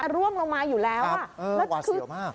ร่วมลงมาอยู่แล้วอ่ะเออหว่าเสี่ยวมาก